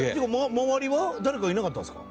周りは誰かいなかったんですか？